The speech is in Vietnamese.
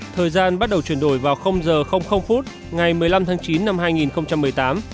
thời gian bắt đầu chuyển đổi vào h ngày một mươi năm tháng chín năm hai nghìn một mươi tám